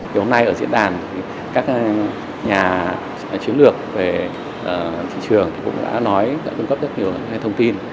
ngày hôm nay ở diễn đàn các nhà chiến lược về thị trường cũng đã nói đã cung cấp rất nhiều thông tin